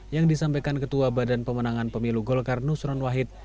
yang disampaikan ketua badan pemenangan pemilu golkar nusron wahid